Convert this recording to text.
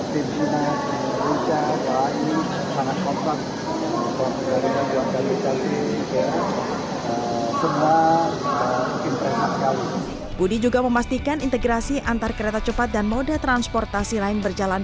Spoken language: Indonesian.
pernah kali budi juga memastikan integrasi antar kereta cepat dan mode transportasi lain berjalan